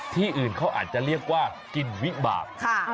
ที่อื่นเขาอาจจะเรียกว่ากินวิบาก